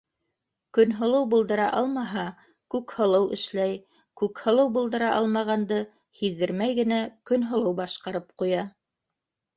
Көнһылыу булдыра алмаһа, Күкһылыу әшләй, Күкһылыу булдыра алмағанды һиҙҙермәй генә Көнһылыу башҡарып ҡуя.